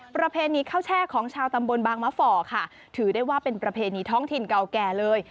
ประเพณีข้าวแช่ของชาวตำบลบางมะฝ่อค่ะถือได้ว่าเป็นประเพณีท้องถิ่นเก่าแก่เลย